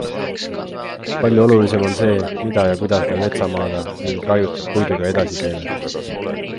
Palju olulisem on see, mida ja kuidas me metsamaaga ning raiutud puiduga edasi teeme.